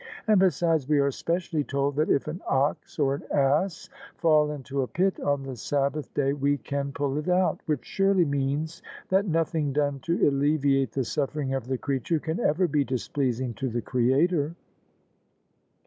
And besides we are specially told that if an ox or an ass fall into a pit on the Sabbath day we can pull it out: which surely means that nothing done to alleviate the suffering of the creature can ever be displeasing to the Creator."